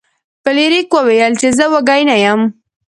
فلیریک وویل چې زه وږی نه یم.